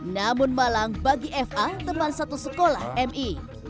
namun malang bagi fa teman satu sekolah mi